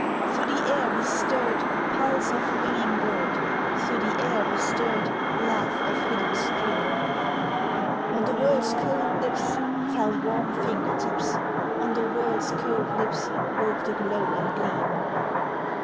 Through the air bestirred Pulse of winging bird, Through the air bestirred Laugh of hidden stream. On the world's cold lips Fell warm finger tips; On the world's cold lips Woke the glow and gleam!